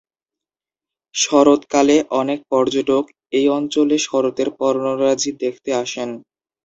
শরৎকালে অনেক পর্যটক এই অঞ্চলে শরতের পর্ণরাজি দেখতে আসেন।